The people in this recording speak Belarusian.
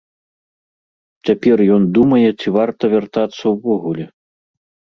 Цяпер ён думае, ці варта вяртацца ўвогуле.